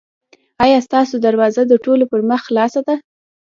ایا ستاسو دروازه د ټولو پر مخ خلاصه ده؟